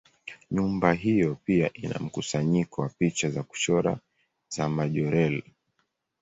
Nyumba hiyo pia ina mkusanyiko wa picha za kuchora za Majorelle.